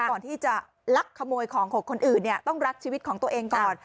ก่อนที่จะลักขโมยของของคนอื่นเนี่ยต้องรักชีวิตของตัวเองก่อน